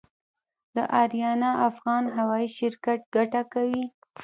د اریانا افغان هوايي شرکت ګټه کوي؟